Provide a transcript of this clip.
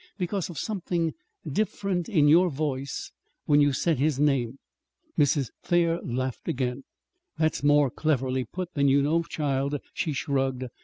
"Because of something different in your voice, when you said his name." Mrs. Thayer laughed again. "That's more cleverly put than you know, child," she shrugged.